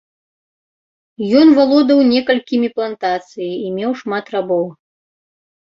Ён валодаў некалькімі плантацыі і меў шмат рабоў.